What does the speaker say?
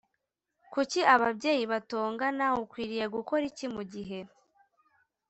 kuki ababyeyi batongana ukwiriye gukora iki mu gihe